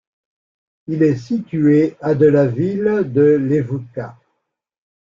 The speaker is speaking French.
Il est situé à de la ville de Levuka.